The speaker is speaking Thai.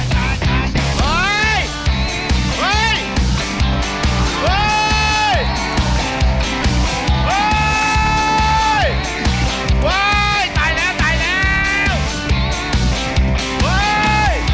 เฮ้ย